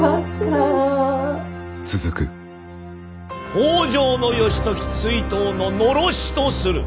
北条義時追討の狼煙とする！